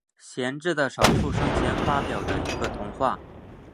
贤治的少数生前发表的一个童话。